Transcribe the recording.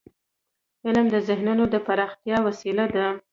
علم د ذهنونو د پراختیا وسیله ده.